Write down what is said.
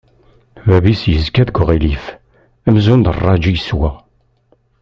Bab-is yezga deg uɣilif, amzun d rraǧ i yeswa.